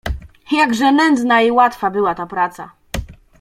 "Jakże nędzna i łatwa była ta praca!"